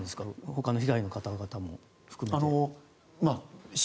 他の被害の方々も含めて。